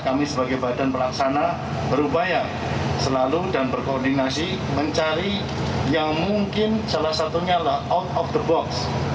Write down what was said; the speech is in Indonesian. kami sebagai badan pelaksana berupaya selalu dan berkoordinasi mencari yang mungkin salah satunya out of the box